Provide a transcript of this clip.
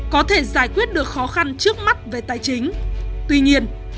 có thể giải quyết được khó khăn trước mắt về tài chính